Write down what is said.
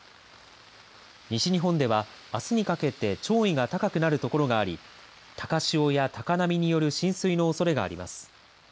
西日本ではあすにかけて潮位が高くなるところがあり高潮や高波による浸水のおそれがあります。